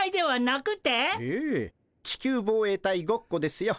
地球防衛隊ごっこですよ。